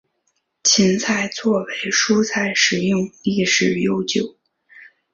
芹菜作为蔬菜食用历史悠久。